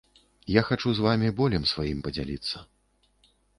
Я хачу з вамі болем сваім падзяліцца.